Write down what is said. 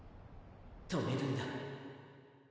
止めるんだ。